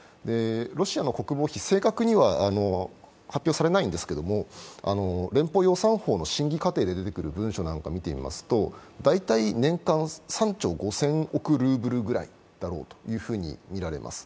ロシアの国防費、正確には発表されないんですけれども連邦予算法の審議過程で出てくる文書なんか見ていますと、大隊年間３兆５０００億ルーブルぐらいだとみられます。